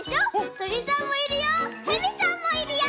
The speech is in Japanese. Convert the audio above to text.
とりさんもいるよ